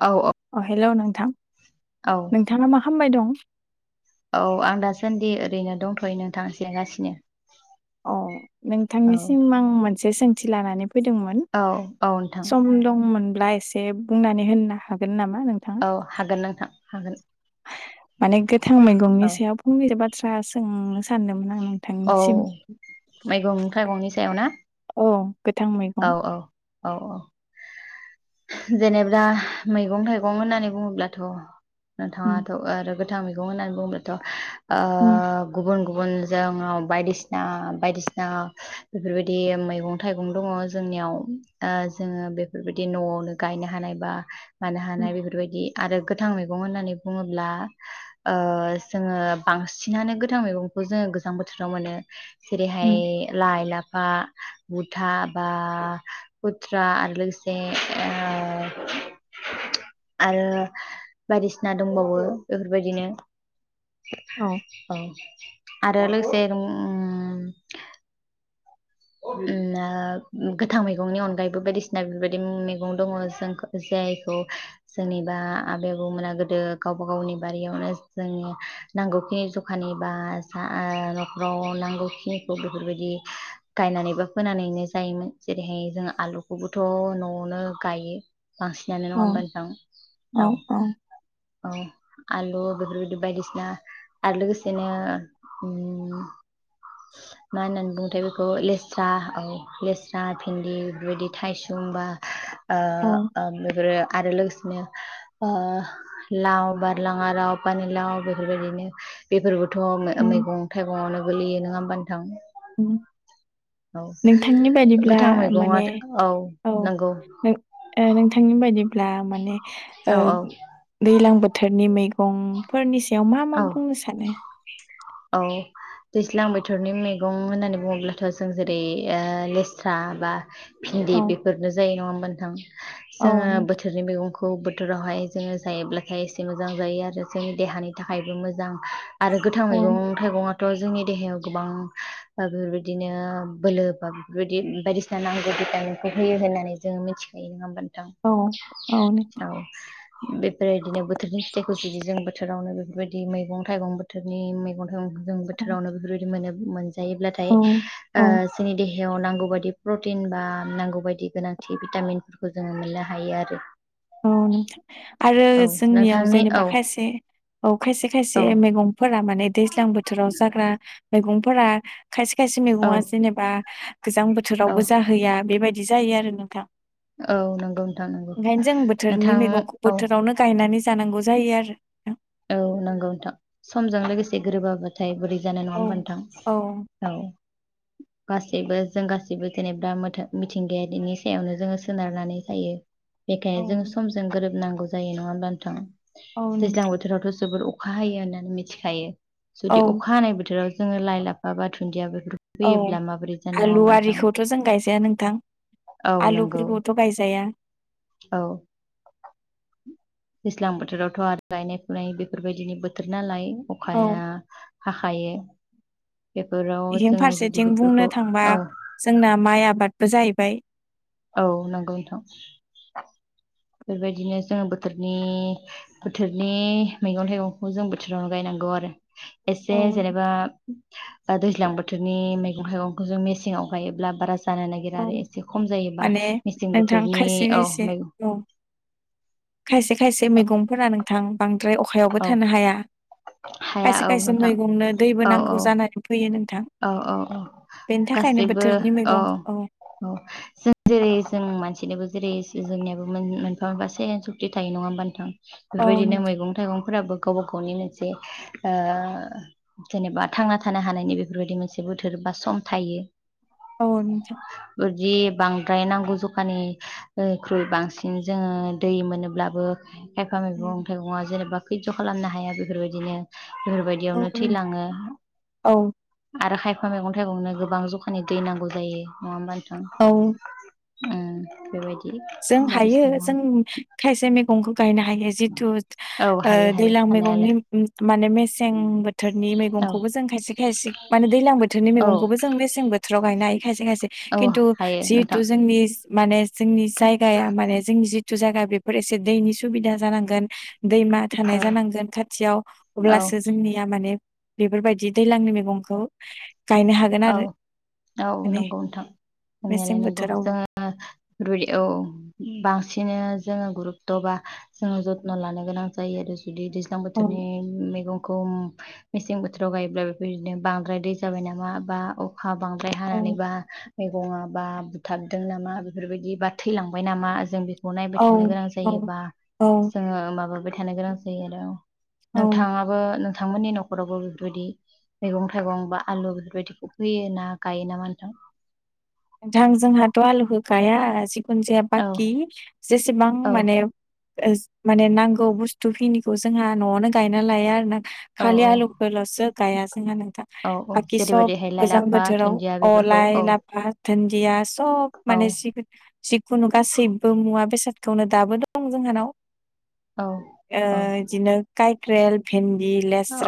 औ अ हेलौ, नोंथां औ नोंथाङा मा खालामबाय दं औ आं दासान्दि ओरैनो दंथ'यो नोंथां जिरायगासिनो अ औ नोंथांनिसिम आं मोनसे सोंथि लानानै फैदोंमोन औ औ नोंथां सम दंमोनब्ला एसे बुंनानै होननो हागोन नामा नोंथाङा? औ हागोन नोंथां हागोन माने गोथां मैगंनि औ सायाव फंनैसो बाथ्रा सोंनो सानदों आं नोंथांनिसिम मैगं-थाइगंनि सायाव ना औ गोथां औ मैगं औ औ औ जेनेबा मैगं-थाइगं होननानै बुङोब्लाथ' उम नोंथाङाथ' आरो गोथां मैगं होननानै बुङोब्लाथ' आ उम गुबुन गुबुनजों औ बायदिसिना बायदिसिना बेफोरबायदि मैगं थाइगं दङ जोंनियाव आ जोङो बेफोरबायदि न'आवनो गायनो हानाय बा मानो हानाय उम बेफोरबायदि आरो गोथां मैगं होननानै बुङोब्ला आ जोङो बांसिनानो गोथां मैगंखौ जोङो गो जां बोथोराव मोनो जेरैहाय उम लाइ, लाफा बा बुथा बा खुथ्रा आरो लोगोसे ओ आ औ औ आरो लोगोसे उम नाग गोथां मैगंनि अनगायैबो बायदिसिना बेबायदि मैगं दङ जोंखौ जों जायखौ जोंनिबा आबै-आबौमोना गोदो गावबा गावनि बारियावनो जोंनि नांगौखिनि जखानि बा जा न'खराव नांगौखिनिखौ बेफोरबायदि गायनानैबा फोनानैनो जायोमोन जेरैहाय जों आलुखौबोथ' न'आवनो गायो। बांसिनानो नङा औ होमबा नोंथां औ। औ आलु बेफोरबायदि बायदिसिना आरो लोगोसेनो ओम मा होनना बुङुथाय बेखौ बेखौ लेस्रा औ लेस्रा भिन्दि बेबायदि थाइसुम बा ओ। औ आरो लोगोसेनो ओ लाव बारलाङा लाव पानिलााव बेफोरबायदिनो। बेफोरबोथ' उम मैगं थाइगंवनो गोगलैयो नङा होमबानोथां। ओम। नोंथांनि बायदिब्ला गोथां मैगङा माने औ नंगौ नों नोंथांनि बायदि ब्ला माने औ औ दैलां बोथोरनि मैगंफोरनि सा याव मा मा औ बुंनो सानो। औ दैज्लां बोथोरनि मैगं होननानै बुङोब्लाथ' जों जेरै लेस्रा बा भिन्दि औ बेफोरनो जायो नङा मोनथां औ जोङो नोंथां बोथोरनि मैगंखौ खौ बोथोरावहाय जोङो जायोब्लाथाय एसे मोजां जायो आरो जोंनि देहानि थाखायबो मोजां। आरो गोथां औ मैगं थाइगं थ' जोंनि देहायाव गोबां बेफोरबायदिनो बोलो बा बेफोरबायदि बायदिसिना नांगौ भिटामिनखौ होयो होननानै जोङो मिथिखायो नङा होमबा। नोंथां। औ बेफोरबायदिनो बोथोरनि फिथाय फुजियो जों बोथोरावनो बेफोरबायदि मैगं थाइगं बोथोरनि मैगं थाइगं जों औ बोथोरावनो बेफोरबायदि मोनोब मोनजायोब्लाथायओ औ औ जोंनि देह देहायाव नांगौ बायदि प्रटिन बा नांगौ बायदि गोनांथि भिटामिनफोरखौ जोङो मोननो हायो आरो। औ नोंथां आरो औ जोंनियाव नोंथांनि जेनेबा औ खायसे औ खायसे औ खायसे मैगंफोरा माने दैज्लां बोथोराव जाग्रा मैगंफोरा खायसे खायसे औ मैगङा जेनेबा गोजां औ बोथोरावबो जाहैया बेबायदि जायो आरो नोंथां। औ नंगौ नोंथां नंगौ। ओंखायनो जों बोथोरनि नोंथां मैगंखौ औ बोथोरावनो गायनानै जानांगौ जायो आरो। औ नंगौ नोंथां समजों लोगोसे गोरोबाब्लाथाय बोरै जानाय नङा औ होमबि नोंथां औ। गासैबो जों गासैबो जेनेबाथ मिथिंगायारिनि सायावनो जोङो सोनारनानै जायो। औ बेखायनो जों समजों गोरोबनांगौ जायो नङा होमबा नोंथां। औ दैज्लां नोंथां। बोथोरावथ' जोबोर अखा हायो होननानै मिथिखायो औ जुदि अखा हानाय बोथोराव जोङो लाइ लाफा बा धुन्दिया औ आलु आरिखौथ' जों गायजाया नोंथां। औ नंगौ आलुफोरखौथ' गायजाया। औ। दैज्लां बोथोरावथ' आरो गायनाय फुनाय बेफोरबायदिनि बोथोर नालाय औ अखाया हाखाये। बेथिं फारसेथिं बुंनो थांबा औ जोंना माइ आबादबो जाहैबाय। औ नंगौ नोंथां। बेबायदिनो जोङो बोथोरनि बोथोरनि मैगं थाइगंखौ जों बोथोरावनो गायना गौ आरो औ एसे जेनेबा दैज्लां बोथोरनि मैगं थाइगंखौ जों मेसेंव गायोब्ला बारा ज जानो नागिरा औ आरो एसे खम जायो। माने नोंथां खायसे खायसे मैगं औ खायसे खायसे मैगंफोरा नोंथां बांद्राय अखायावबो औ थानो हाया। हाया खायसे औ खायसे नोंथां मैगंनो दैबो औ नांगौ औ जानानै फैयो नों थां औ औ औ बेनि थाखायनो गासैबो बोथोरनि मैगं। औ औ औ जों जेरै जों मान बिनोबो जेरै जोंनियाबो मोनफा मोनफा सेन सुक्ति थायो नङा होमबा नोंथां। औ बेबायदिनो नोंथां मैगं थाइगंफोराबो गावबा गावनि मोनसे ओ जेनेबा थांना थानो हानायनि बे बेफोरबायदि मोनसे बोथोर बा सम थायो औ नोंथां। फोरदि बांद्राय नांगौ जखानि [unintelligible] ख्रुइ बांसिन जोङो दै मोनोब्लाबो खायफा मैगं थाइगंआ जेनेबा खैज' खालामनो हाया बेफोरबायदिनो औ बेफोरबायदिआवनो थैलाङो। औ आरो खायफा मैगं थाइगंनो गोबां जखानि दै नांगौ जायो नङा होमबा औ ओम बेबायदि जों हायो बायदिसिना जों नङा खाइसे मेगंखो गायनो हायो जिथु ओ औ हायो हायो दैलां हानायालाय [unintelligible] माने मेसें बोथोरनि औ मैगंखौबो जों खायसे खायस [inaudible] माने दैलां बोथोरनि औ मेगंखौबो जों मेसें बोथोराव गायनो हायो खायसे खायसे औ खिन्थु हायो नोंथां जिहिथु जोंनि माने जोंनि जायगाया माने जोंनि जिथु जागा बेफोर एसे दैनि सुबिदा जानांगोन दैमा थानाय औ जानांगोन खाथियाव औ अब्लासो जोंनिया माने बेफोरबायदि दैलांनि मेगंखौ गायनो हागोन औ आरो औ माने नंगौ नोंथां मेसें नोंनायालाय नंगौ बोथोरावबो जोङो [unintelligible] औ बांसिनो जोङो गुरुत्त'बा जोङो जत्न' लानो गोनां जायो आरो इदि दैज्लां औ बोथोरनि मैगं [unintelligible] मेसें बोथोराव गायोब्ला बेफोरदिनो बांद्राय दै जाबाय नामा बा अ खा बांद्राय औ हानानैबा मै बङाबा बुथारदों नामा बेफोरबायदि बा थैलांबाय नामा जों बे खौ नायबाय औ थानो गोनां औ जायोबा औ जोङो माबाबाय थानो गोनां जायो आरो औ नोंथाङाबो नोंथांमोननि न'खरावबो बेफोरबायदि मैगं थाइगं बा आलु बेफोरबायदि फोयो ना गायो नामा नोंथां? नोंथां जोंहाथ' आलुखो गाइया जि खुन जाया औ बाकि जेसेबां औ माने ओज माने नांगौ बुस्थु खिनिखौ जोंहा न'आवनो गायना लाया आरो ना औ खालि औ आलुफोरल'सो गाया जोंहा नों औ औ बाकि सब जेरैबायदिहाय लाइ गोजां लाफा बोथोराव दुन्दिया अ बेफोरखौ औ लाइ लाफा धोनदिया स'ब औ माने जि जिखुनु गासैबो मुवा बेसाद [unintelligible] दाबो दं जोंहानाव ओ औ औ बिदिनो कायक्रेल भेन्द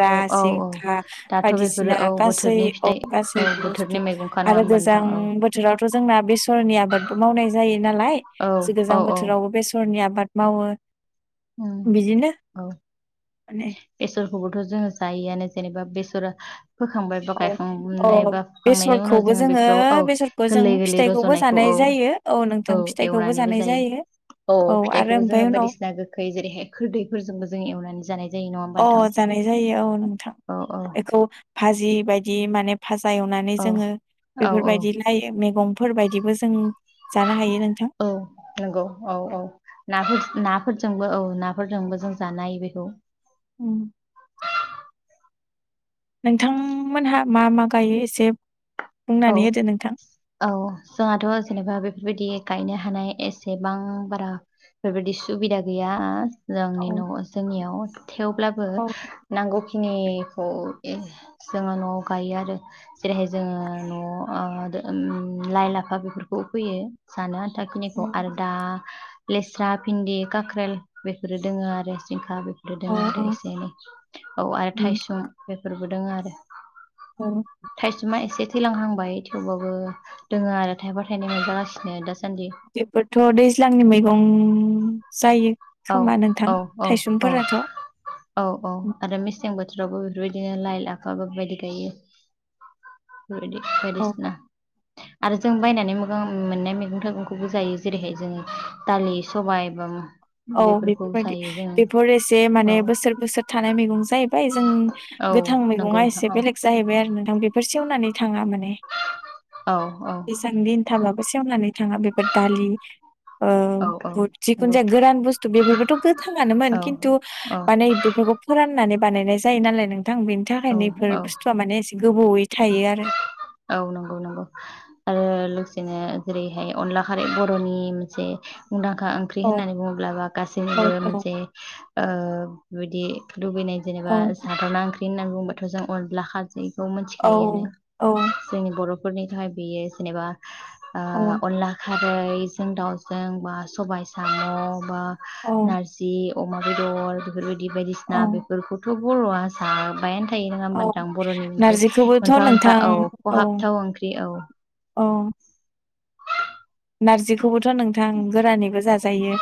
औ औ औ जिंखा दाथ' बेफोरो बायदिसिना औ बोथोरनि फिथाइ गासै औ बोथोरनि [inaudible] मैगंखा नङा आरो होमबा गोजां, नोंथां औ बोथोराव थ' जोंना बेसरनि आबादबो मावनाय जायो नालाय औ औ गोजां औ बोथोरावबो बेस'र नि आबाद मावो उम बिदिनो औ [unintelligible] माने [unintelligible] जोङो जायोआनो जेनेबा बेसरा फोखांबाय बा औ औ गायखांनाय बा फोखांनायनि उनाव बेसरखौबो जोङो बेफोराव औ बेसरखौ जों गोरलै गोरलै फिथाइखौबो रज'नायखौ जानाय औ जायो औ नोंथां फिथाइखौबो जानाय जायो। औ आरो फिथाइखौबो ओमफ्राय जोङो उनाव बायदिसिना गोखै जेरैहाय खोरदैफोरजोंबो जो‌ङो एवनानै जा अ जानाय जायो औ नोंथां औ औ बेखौ भाजि बायदि माने [unintelligible] एवनानै औ जोङो औ औ बेफोरबायदि लाइ मेगंफोरबायदिबो जों जानो हायो नोंथां [inaudible] औ नोंगौ औ औ ना [unintelligible] फोरजोंबो औ नाफोरजोंबो जों जानो हायो बेखौ। उम नोंथांंमोनहा मा मा गायो एसे औ बुंनानै होदो नोंथां औ जोंहाथ' जेनेबा बेफोरबायदि गायनो हानाय एसेबां बारा बेबायादि सुबिदा गैयाआ औ जोंनि न'आ जोंनियाव थेवब्लाबो औ नांगौखि खिनिखौ एह जोङो न'आव गायो आरो जेरैहाय जोङो न' ओ लाइ-लाफा बेफोरखौ फैयो जानो आ आनथा खिनिखौ आरो दा लेस्रा भिन्दि काख्रेल बेफोरो दोङो आरो जिंखा बे औ दङ आरो एसे एनै औ आरो उम थाइसुं बेफोरबो दङ आरो‌ औ थाइसुमा एसे थैलांहांबाय थेवबाबो दोङो आरो थायफा-थाइनै मोनजागासिनो दा बेफोरथ' दैज्लांनि मैगं जायो। औ खोमा नोंथां औ औ औ थायसुमफोराथ' औ औ आरो मेसें बोथोर थोरावबो बेफोरबायदिनो लाइ-लाफा बेफोरबायदि गायो। [unintelligible] आरो जों बायनानै मोगा मोननाय मैगं-थाइगंखौबो जायो जेरैहाय जों दालि सबाय बा औ बेफोरखौ बेफोरबायदि जायो जोङो बेफोर एसे औ माने बोसोर-बोसोर थानाय मैगं जायो। उम औ गोथां नंगौ मैगङा नोंथां एसे औ बेलेग जाहैबाय आरो नोंथां बेफोर सेवनानै थाङामोन औ औ बेसां दिन थाबाबो सेवनानै थाङा बेफोर दालि ओ औ औ बुथ जिखुनु नंगौ जाया गोरान बुसथु बेफोरबोथ' गोथांआनोन औ खिन्थु औ माने बेफोरखौ फोराननानै बानायनाय जायो नालाय नों थां बेनि थाखाय औ इफोर औ बुस्थुवआ माने एसे गोबावयै औ नंगौ नंगौ आरो लोगोसेनो जेरैहाय अनला खारै बर'नि मोनसे मुंदांखा ओंख्रि औ होननानै बुङोब्लाबो औ गासैनिबो औ मोनसे बिदि लुबैनाय जेनेबा औ सादरना ओंख्रि होननानै बुङोबाथ' जों अनब्ला खारजैखौ मोन औ थायोआनो जोंनि बर'फोरनि थाखाय बेयो जेनेबा ओ औ अनला खारैजों दाउजों बा सबाय साम' बा औ नारजि अमा बेदर बेफोरबादि औ बायदिसिना बिफोरखौथ' बर'आ जाबायानो थायो नङा होमबा औ नोंथां बर'नि मोनसे नारजिखौबोथ' मोनफा-मोनफा नोंथां औ खहाबथाव ओंख्रि औ। औ खौबोथ' नोंथां गोरानैबो जाजायो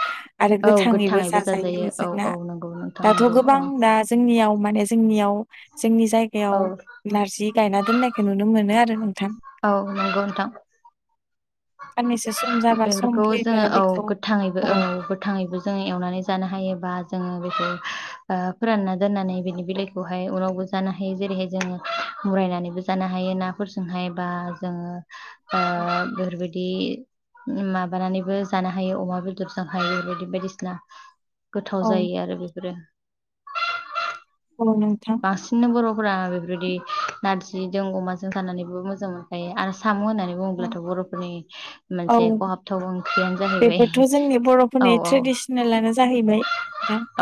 आरो औ गोथाङैबो जाजायो औ जोंना औ नंगौ नोंथां दाथ' नंगौ औ गोबां दा जोंनियाव माने जोंनियाव जोंनि औ जायगायाव नारजि गायना दोननायखौ नुनो मोनो आरो नोंथां। औ नंगौ नोंथां। साननैसो सम जाबा सम बेफोरखौ फैबा जोङो औ बेखौ गोथाङैबो औ गोथाङैबो जोङो एवनानै जानो हायोबा जोङो बेखौ ओ फोरानना दोननानै बिनि बिलइखौहाय उनावबो जानो हायो जेरैहाय जोङो मुरायनानैबो जानो हायो नाफोरजोंहाय बा जोङो ओ औ बेफोरबायदि माबानानैबो जानो हायो अमा बेदरजों हायो बिदि बायदिसिना गोथाव जायो आरो बेफोरो औ नोंथां बांसिननो बर'फोरा बेफोरबायदि नारजिजों अमाजों जानानैबो मोजां मोनखायो आरो साम' होननानै बुङोब्लाथ' बर'फोरनि औ मोनसे खहाबथाव ओंख्रियानो जाहैबाय। औ बे औ ट्रेडिसनेलानो जाहैबाय।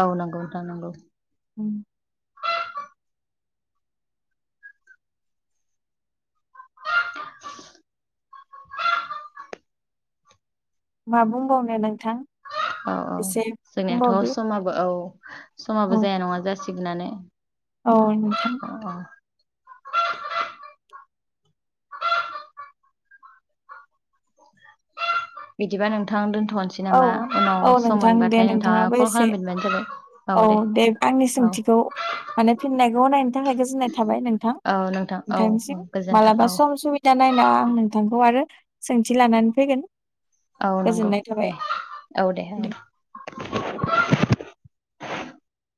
औ नांगौ नोंथां नांगौ। उम [inaudible] मा बुंबावनो नोंथां औ औ एसे जोंनियाथ' बुंबावदो समाबो औ समाबो औ जाया नङा जासिगोनानो औ नोंथां औ औ बिदिबा नोंथां दोन थनोसै औ नामा उनाव औ सम नोंथां दे मोनबाथाय नोंथाङा नोंथाङाबो कल एसे खालामफिनबानो जाबाय औ दे औ। थिखौ माने फिननायखौ नायनो थाखाय गोजोननाय थाबाय नोंथां औ नोंथां औ औ नोंथांनिसिम गोजोन्थों मालाबा औ सम सुबिदा [unintelligible] नायनां सिंङाआं नोंथांखौ आरो सोंथि लानानै फैगोन। औ नंगौ गोजोननाय दे थाबाय औ दे।